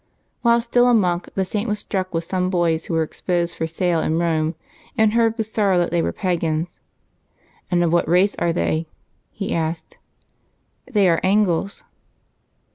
While still a monk the Saint was struck with some boys v^ho were exposed for sale in Eome, and heard with sorrow that they were pagans. " And of what race are they ?'' he asked. " They are Angles.'